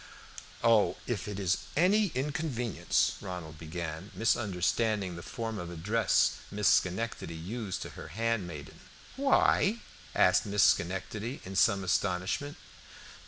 "Oh, if it is any inconvenience" Ronald began, misunderstanding the form of address Miss Schenectady used to her handmaiden. "Why?" asked Miss Schenectady, in some astonishment.